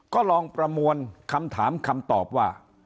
ก็ลองประมวลคำถามคำตอบว่า